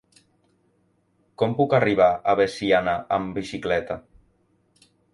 Com puc arribar a Veciana amb bicicleta?